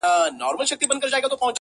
څلورم وازه خوله حیران وو هیڅ یې نه ویله-